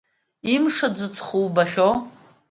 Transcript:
Имшаӡоз ҵхы убахьоу!